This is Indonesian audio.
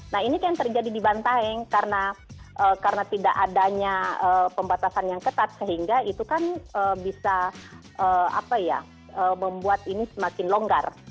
nah ini kan terjadi di bantaeng karena tidak adanya pembatasan yang ketat sehingga itu kan bisa membuat ini semakin longgar